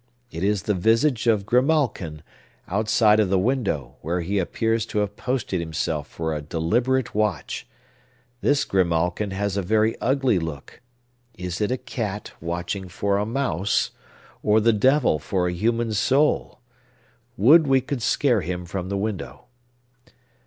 It is the visage of grimalkin, outside of the window, where he appears to have posted himself for a deliberate watch. This grimalkin has a very ugly look. Is it a cat watching for a mouse, or the devil for a human soul? Would we could scare him from the window!